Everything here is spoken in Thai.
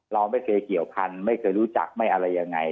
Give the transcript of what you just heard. เราไม่เคยเกี่ยวพันธุ์ไม่เคยรู้จักไม่อะไรยังไง